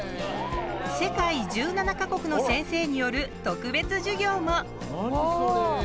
世界１７か国の先生による特別授業も。